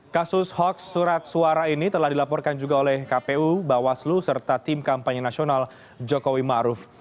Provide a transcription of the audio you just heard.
kasus hoax surat suara ini telah dilaporkan juga oleh kpu bawaslu serta tim kampanye nasional jokowi ⁇ maruf ⁇